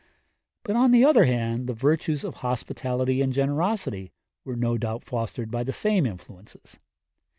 But on the other hand the virtues of hospitality and generosity were no doubt fostered by the same influences.